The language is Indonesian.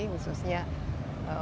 khususnya untuk kelautan penenggelaman